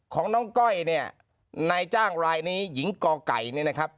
ของน้องก้อยเนี่ยนายจ้างรายนี้หญิงกไก่เนี่ยนะครับ